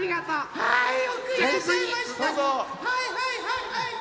はいはいはいはい。